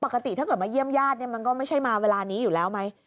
ปกติถ้าเกิดมาเยี่ยมญาติเนี่ยมันก็ไม่ใช่มาเวลานี้อยู่แล้วไหม